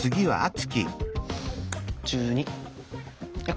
１２。